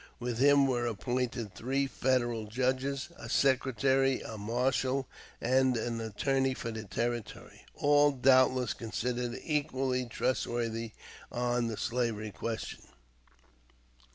With him were appointed three Federal judges, a secretary, a marshal, and an attorney for the Territory, all doubtless considered equally trustworthy on the slavery question.